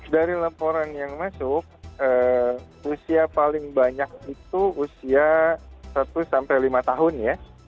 dari laporan yang masuk usia paling banyak itu usia satu sampai lima tahun ya